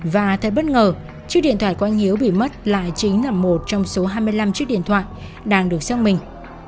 và thấy bất ngờ chiếc điện thoại của anh hiếu bị mất lại chính là một trong số hai mươi năm chiếc điện thoại đang được xác minh